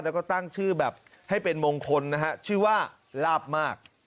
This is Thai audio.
แล้วก็ตั้งชื่อแบบให้เป็นมงคลนะฮะชื่อว่าลาบมาก